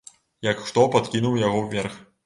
Як хто падкінуў яго ўверх.